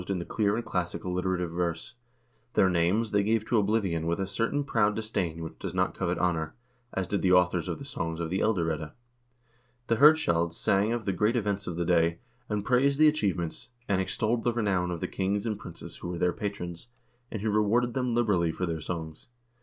128 HISTORY OF THE NORWEGIAN PEOPLE the clear and classic alliterative verse; their names they gave to oblivion with a certain proud disdain which does not covet honor, as did the authors of the songs of the "Elder Edda." The hirdscalds sang of the great events of the day, and praised the achievements, and extolled the renown of the kings and princes who were their patrons, and who rewarded them liberally for their songs.